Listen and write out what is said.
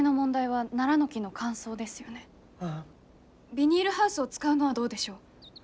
ビニールハウスを使うのはどうでしょう？